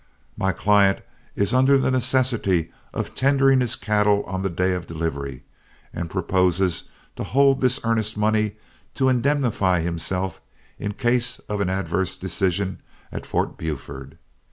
My client is under the necessity of tendering his cattle on the day of delivery, and proposes to hold this earnest money to indemnify himself in case of an adverse decision at Fort Buford.